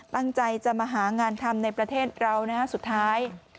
ตั้งใจจะมาหางานทำในประเทศเรานะฮะสุดท้าย